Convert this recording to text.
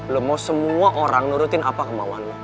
lo mau semua orang nurutin apa kemauan lo